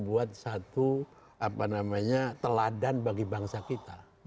membuat satu apa namanya teladan bagi bangsa kita